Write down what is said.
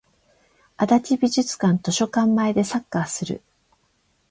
足立美術館図書館前でサッカーする